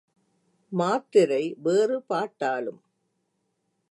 மாத்திரை வேறு பாட்டாலும்